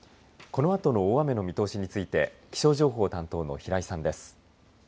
このあとの大雨の見通しについて気象情報担当の平井さんです。